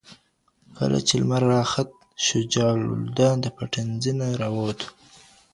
کله چې لمر راخت، شجاع الدوله د پټنځي نه راووت.